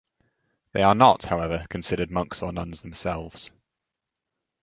They are not, however, considered monks or nuns themselves.